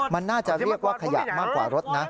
มันน่าจะเรียกว่าขยะมากกว่ารถนะ